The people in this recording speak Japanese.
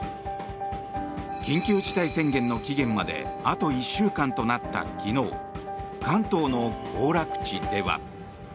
緊急事態宣言の期限まであと１週間となった昨日関東の行楽地では。